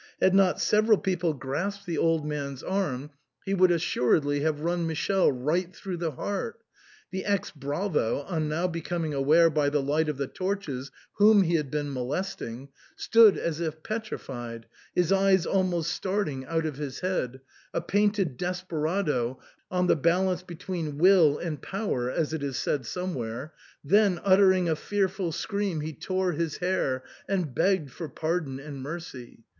Had not several people grasped the old I40 SIGNOR FORMICA. man's arm he would assuredly have run Michele right through the heart The ex bravo, on now becoming aware by the light of the torches whom he had been molesting, stood as if petrified, his eyes almost starting out of his head, " a painted desperado, on the balance between will and power," as it is said somewhere. Then, uttering a fearful scream, he tore his hair and begged for pardon and mercy.